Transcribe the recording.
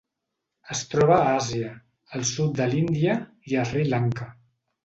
Es troba a Àsia: el sud de l'Índia i Sri Lanka.